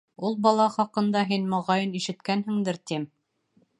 Ул бала хаҡында һин, моғайын, ишеткәнһеңдер, тим.